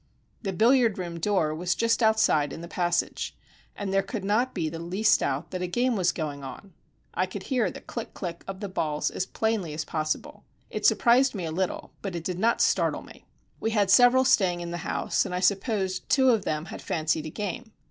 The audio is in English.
The billiard room door was just outside in the passage, and there could not be the least doubt that a game was going on. I could hear the click click of the balls as plainly as possible. It surprised me a little, but it did not startle me. We had several staying in the house, and I supposed two of them had fancied a game.